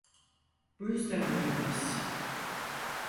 Bu yüzden buradayız.